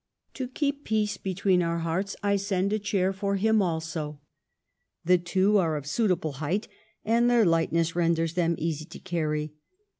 To keep peace be tween our hearts, I send a chair for him also. The two are of suitable height and their light ness renders them easy to carry.